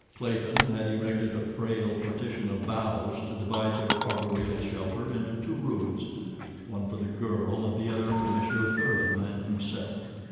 Clayton had erected a frail partition of boughs to divide their arboreal shelter into two rooms—one for the girl and the other for Monsieur Thuran and himself.